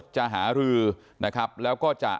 จะหารือนะครับแล้วก็จะ